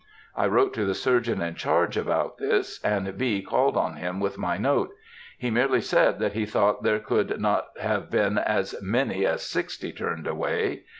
I wrote to the surgeon in charge about this, and B. called on him with my note. He merely said that he thought there could not have been as many as sixty turned away!